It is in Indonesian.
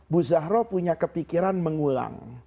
bu zahro punya kepikiran mengulang